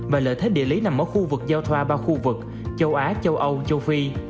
và lợi thế địa lý nằm ở khu vực giao thoa ba khu vực châu á châu âu châu phi